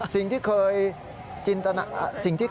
สิ่งที่เคยคิดไว้